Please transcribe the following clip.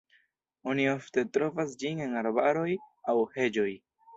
Oni ofte trovas ĝin en arbaroj aŭ heĝoj.